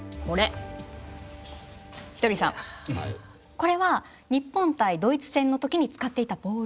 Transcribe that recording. これは日本対ドイツ戦の時に使っていたボール。